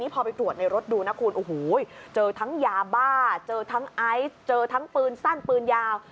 พอไปตรวจในรถดูนะคุณโอ้โหเจอทั้งยาบ้าเจอทั้งไอซ์เจอทั้งปืนสั้นปืนยาว